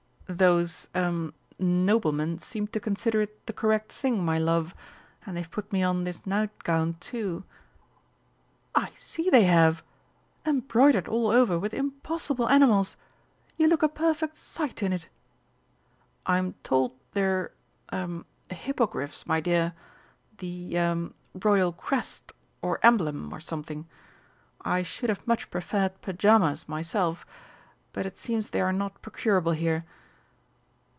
"Those er noblemen seemed to consider it the correct thing, my love, and they've put me on this night gown, too." "I see they have. Embroidered all over with impossible animals. You look a perfect sight in it!" "I'm told they're er hippogriffs, my dear, the ah Royal Crest or emblem or something. I should have much preferred pyjamas myself. But it seems they are not procurable here."